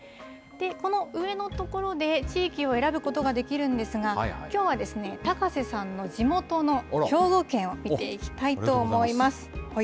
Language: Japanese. この上の所で地域を選ぶことができるんですが、きょうは高瀬さんの地元の兵庫県を見ていきたいと思います。